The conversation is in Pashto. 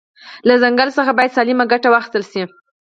له ځنګل ځخه باید سالمه ګټه واخیستل شي